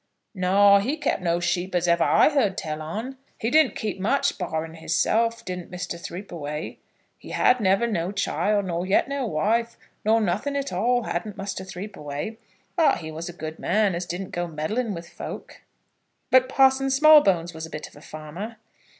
"No; he kep' no sheep as ever I heard tell on. He didn't keep much barring hisself, didn't Muster Threepaway. He had never no child, nor yet no wife, nor nothing at all, hadn't Muster Threepaway. But he was a good man as didn't go meddling with folk." "But Parson Smallbones was a bit of a farmer?"